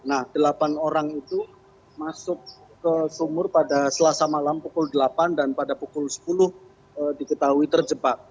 nah delapan orang itu masuk ke sumur pada selasa malam pukul delapan dan pada pukul sepuluh diketahui terjebak